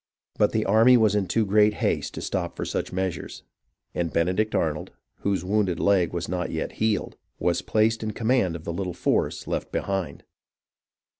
But the army was in too great haste to stop for such meas ures ; and Benedict Arnold, whose wounded leg was not yet healed, was placed in command of the little force left behind.